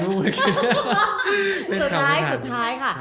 สุดท้ายค่ะ